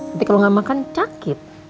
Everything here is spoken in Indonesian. nanti kalau nggak makan cakit